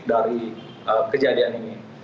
dari kejadian ini